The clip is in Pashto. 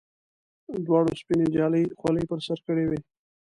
دواړو سپینې جالۍ خولۍ پر سر کړې وې.